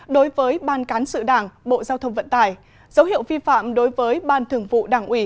đối với ban cán sự đảng bộ giao thông vận tải dấu hiệu vi phạm đối với ban thường vụ đảng ủy